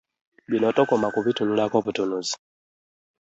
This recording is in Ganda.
Bino tokoma kubitunulako butunuzi.